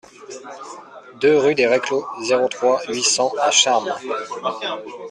deux rue des Reclos, zéro trois, huit cents à Charmes